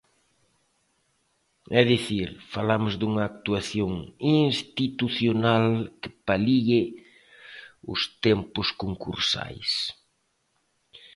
É dicir, falamos dunha actuación institucional que palíe os tempos concursais.